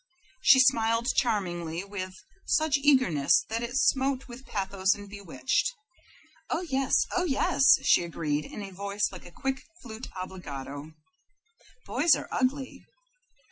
She smiled charmingly, with such eagerness that it smote with pathos and bewitched. "Oh yes, oh yes," she agreed, in a voice like a quick flute obbligato. "Boys are ugly."